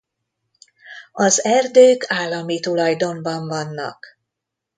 Az erdők állami tulajdonban vannak.